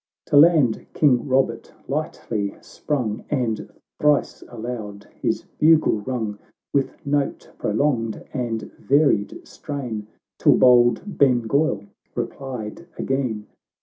"— XVIII To land King Robert lightly sprung, And thrice aloud his bugle rung With note prolonged and varied strain, Till bold Ben ghoil replied again.